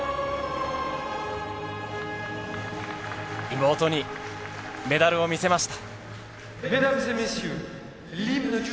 妹にメダルを見せました。